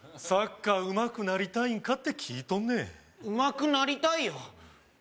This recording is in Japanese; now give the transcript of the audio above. サッカーうまくなりたいんか？って聞いとんねんうまくなりたいよ